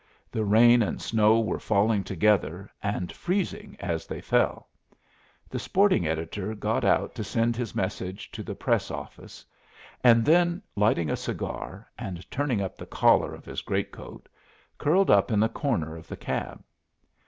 The rain and snow were falling together, and freezing as they fell. The sporting editor got out to send his message to the Press office, and then lighting a cigar, and turning up the collar of his great coat, curled up in the corner of the cab.